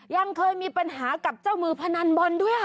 ยังเคยมีปัญหากับเจ้ามือพนันบอลด้วย